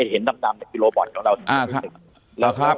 เห็นดำเป็นโลบอทของเรา